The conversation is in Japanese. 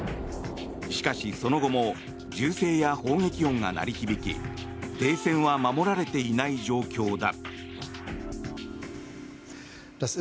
しかし、その後も銃声や砲撃音が鳴り響き停戦は守られていない状況だ。